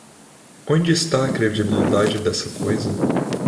Onde está a credibilidade dessa coisa?